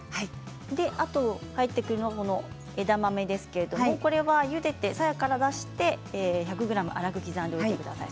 あと入ってくるのが枝豆ですけれども、これはゆでてさやから出して１００ｇ粗く刻んでください。